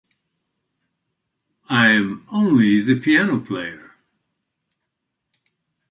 I'm only the piano player!